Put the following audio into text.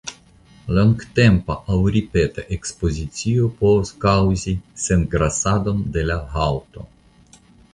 Longtempa aŭ ripeta ekspozicio povas kaŭzi sengrasadon de la haŭto.